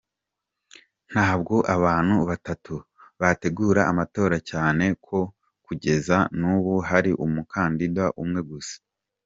Ntabwo abantu batatu bategura amatora cyane ko kugeza n’ubu hari umukandida umwe gusa”.